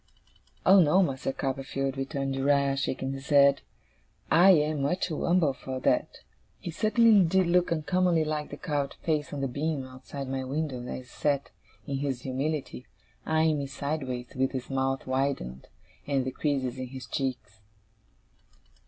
'Oh no, Master Copperfield,' returned Uriah, shaking his head, 'I am much too umble for that!' He certainly did look uncommonly like the carved face on the beam outside my window, as he sat, in his humility, eyeing me sideways, with his mouth widened, and the creases in his cheeks.